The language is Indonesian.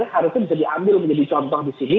harusnya bisa diambil menjadi contoh disini